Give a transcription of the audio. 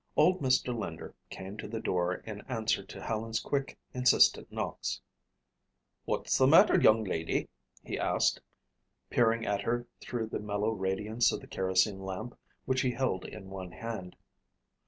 Old Mr. Linder came to the door in answer to Helen's quick, insistent knocks. "What's the matter, young Lady?" he asked, peering at her through the mellow radiance of the kerosene lamp which he held in one hand.